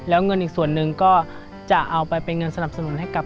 แล้วเงินอีกส่วนหนึ่งก็จะเอาไปเป็นเงินสนับสนุนให้กับ